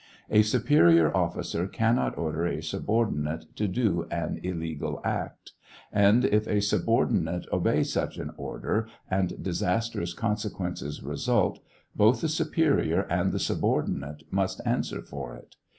A superior officer cannot order a subordinate to do an illegal act, and if a sub ordinate obey such an order and disastrous consequences result, both the superior and the subordinate must answer for it.